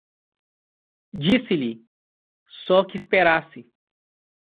Disse-lhe só que esperasse.